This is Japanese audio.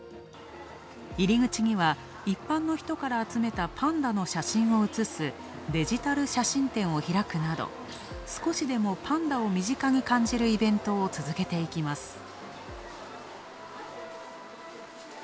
入り口には一般の人から集めたパンダの写真を写す、デジタル写真展を開くなど、少しでもパンダを身近に感じるイベントを続けていきます。